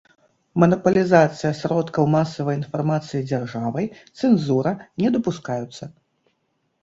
Манапалізацыя сродкаў масавай інфармацыі дзяржавай, цэнзура не дапускаюцца.